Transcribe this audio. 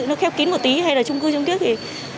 nó khép kín một tí hay là chung cư chung tiết thì